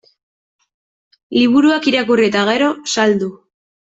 Liburuak irakurri eta gero, saldu.